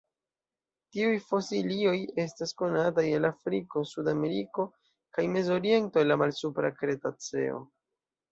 Tiuj fosilioj estas konataj el Afriko, Sudameriko, kaj Mezoriento el la Malsupra Kretaceo.